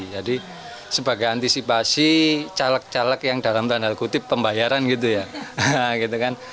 jadi sebagai antisipasi caleg caleg yang dalam tanda kutip pembayaran gitu ya